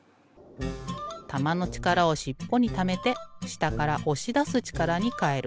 たまのちからをしっぽにためてしたからおしだすちからにかえる。